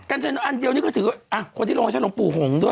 กันเชียร์อันเดียวนี้ก็ถืออ่ะคนที่ลงมีฉันหรือลมปู่หงก์ด้วย